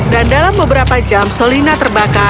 dan dalam beberapa jam solina terbang